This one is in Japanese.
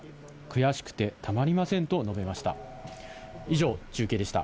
悔しくてたまりませんと述べました。